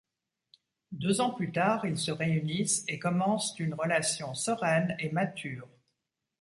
Deux ans plus tard ils se réunissent et commencent une relation sereine et mature.